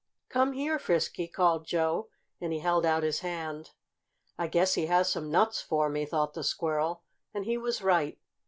"Come here, Frisky!" called Joe, and he held out his hand. "I guess he has some nuts for me," thought the squirrel, and he was right.